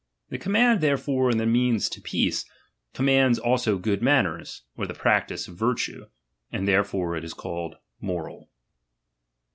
The law therefore, in the means to peace, com mands also good manners, or the practice of virtue ; and therefore it is called moral.